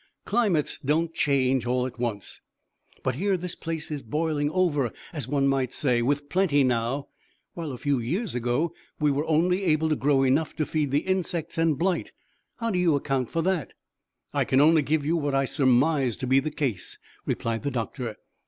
Climates don't change all at once, but here's this place boiling over, as one might say, with plenty now, while a few years ago we were only able to grow enough to feed the insects and blight. How do you account for that?" "I can only give you what I surmise to be the case," replied the doctor.